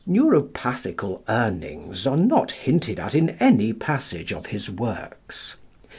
Neuropathical Urnings are not hinted at in any passage of his works.